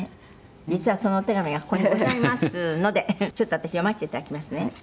実は、そのお手紙がここにございますのでちょっと私、読ませて頂きますね。